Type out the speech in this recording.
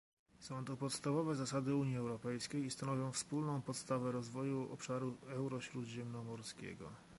Są to podstawowe zasady Unii Europejskiej i stanowią wspólną podstawę rozwoju obszaru eurośródziemnomorskiego